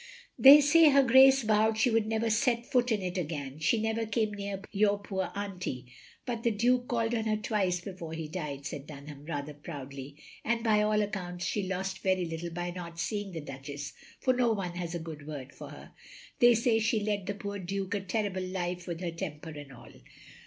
They say her Grace vowed she wotdd never set foot in it again. She never came near your poor auntie. But the Duke called on her twice before he died, said Dunham, rather proudly, and by all accounts she lost very little by not seeing the Duchess, for no one has a good word for her. They say she led the poor Duke a terrible life with her temper and all.